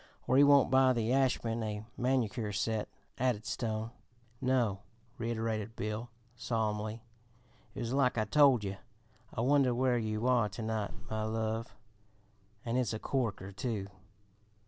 "Or 'He Won't Buy the Ashman a Manicure Set,'" added Stone. "No," reiterated Bill solemnly. "It was like I told yer; 'I Wonder Where You Are To night, My Love,' and it's a corker, too!